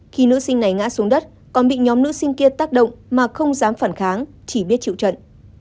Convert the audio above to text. khi nữ sinh này ngã xuống đất còn bị nhóm nữ sinh kia tác động mà không dám phản kháng chỉ biết chịu trận